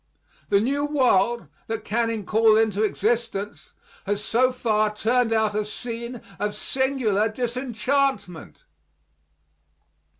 The new world that Canning called into existence has so far turned out a scene of singular disenchantment.